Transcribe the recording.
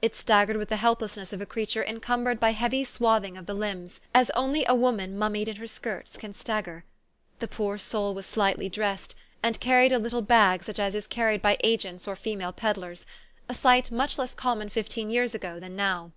It stag gered with the helplessness of a creature encum bered by heavy swathing of the limbs, as only a 94 THE STOEY OF AVIS. woman mummied in her skirts can stagger. The poor soul was slightly dressed, and carried a little bag such as is carried by agents or female peddlers, a sight much less common fifteen years ago than now.